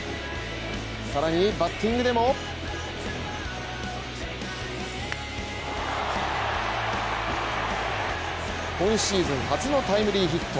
更にバッティングでも今シーズン初のタイムリーヒット。